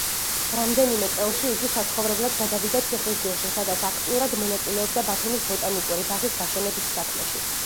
რამდენიმე წელში იგი საცხოვრებლად გადავიდა ციხისძირში, სადაც აქტიურად მონაწილეობდა ბათუმის ბოტანიკური ბაღის გაშენების საქმეში.